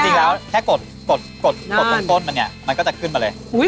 จริงแล้วแค่กดตรงต้นมันเนี่ยมันก็จะขึ้นมาเลย